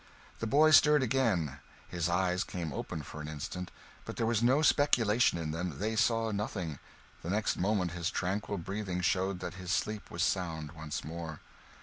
The boy stirred again; his eyes came open for an instant, but there was no speculation in them, they saw nothing; the next moment his tranquil breathing showed that his sleep was sound once more.